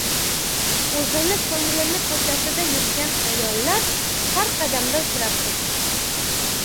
o‘zini ko‘nglini ko‘chasida yurgan ayollar har qadamda uchrab turibdi.